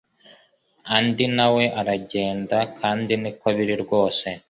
Andi na we aragenda kandi niko biri rwose